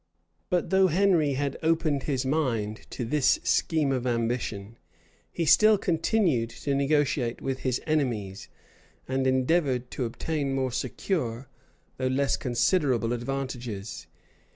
But though Henry had opened his mind to this scheme of ambition, he still continued to negotiate with his enemies, and endeavored to obtain more secure, though less considerable advantages.